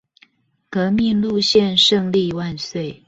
革命路線勝利萬歲